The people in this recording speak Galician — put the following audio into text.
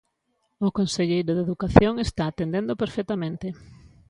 O conselleiro de Educación está atendendo perfectamente.